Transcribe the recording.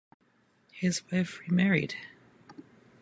His wife remarried.